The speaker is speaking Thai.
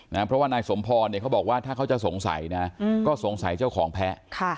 เพราะว่านายสมพรเนี่ยเขาบอกว่าถ้าเขาจะสงสัยนะก็สงสัยเจ้าของแพ้